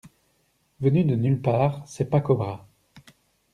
Venu de nulle part, c'est pas Cobra.